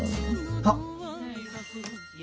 あっ。